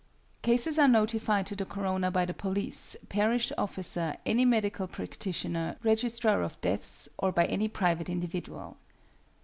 Cases are notified to the coroner by the police, parish officer, any medical practitioner, registrar of deaths, or by any private individual.